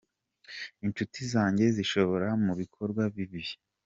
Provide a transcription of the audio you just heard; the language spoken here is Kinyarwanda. Inshuti zanjye zinshora mu bikorwa bibi